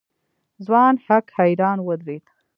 ځوان هک حيران ودرېد.